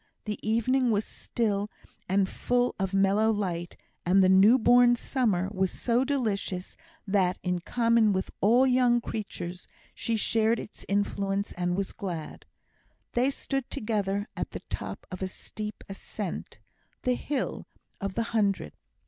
The evening was still and full of mellow light, and the new born summer was so delicious that, in common with all young creatures, she shared its influence and was glad. They stood together at the top of a steep ascent, "the hill" of the hundred.